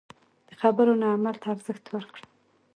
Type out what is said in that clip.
د خبرو نه عمل ته ارزښت ورکړه.